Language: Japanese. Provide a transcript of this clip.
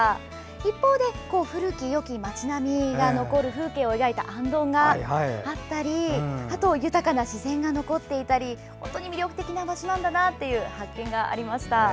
一方で、古き良き街並みが残る風景を描いた行灯があったり豊かな自然が残っていたり本当に魅力的な場所なんだなと発見がありました。